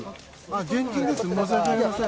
現金ですね、申し訳ありません。